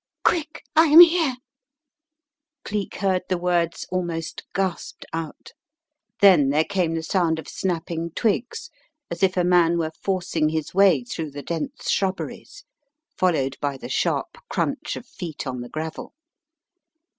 "Quick! I am here." Cleek heard the words almost gasped out. Then there came the sound of snapping twigs as if a man were forcing his way through the dense shrubberies, followed by the sharp crunch of feet on the gravel.